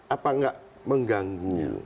apa nggak mengganggu